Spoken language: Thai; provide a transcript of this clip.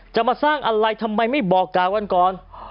จะมาสร้างอะไรทำไมไม่บอกกล่าวกันก่อน